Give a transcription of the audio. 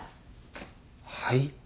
はい？